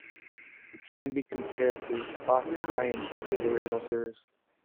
It can be compared to "Spock's Brain" in The Original Series.